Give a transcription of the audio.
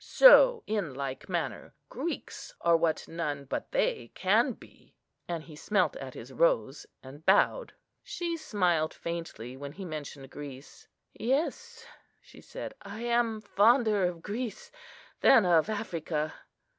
So, in like manner, Greeks are what none but they can be," and he smelt at his rose and bowed. She smiled faintly when he mentioned Greece. "Yes," she said, "I am fonder of Greece than of Africa."